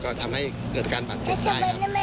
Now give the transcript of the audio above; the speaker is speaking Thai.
ก็ทำให้เกิดการบาดเจ็บได้ครับ